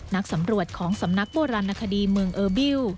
นักสำรวจของสำนักโบราณคดีเมืองเออร์บิล